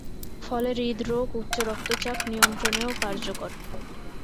ফলে হৃদরোগ, উচ্চ-রক্তচাপ নিয়ন্ত্রণেও কার্যকর।